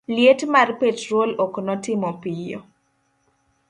liet mar petrol ok notimo piyo